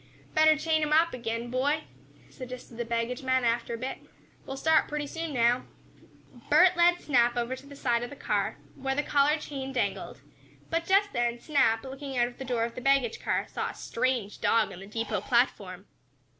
"Better chain him up again, my boy," suggested the baggage man, after a bit. "We'll start pretty soon now." Bert led Snap over to the side of the car, where the collar chain dangled, but, just then, Snap, looking out of the door of the baggage car, saw a strange dog on the depot platform.